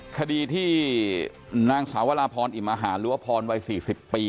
คดีที่นางสาวราพรอิมหาลรัวพรวัย๔๐ปี